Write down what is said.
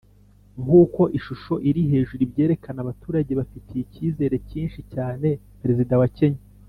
Nk uko ishusho iri hejuru ibyerekana abaturage bafitiye icyizere cyinshi cyane Perezida wa kenya